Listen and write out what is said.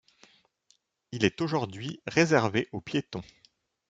Il est aujourd'hui réservé aux piétons.